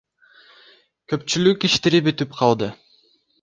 Көпчүлүк иштери бүтүп калды.